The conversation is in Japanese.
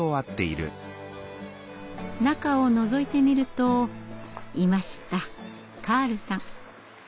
中をのぞいてみるといましたカールさん。